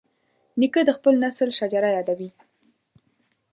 نیکه د خپل نسل شجره یادوي.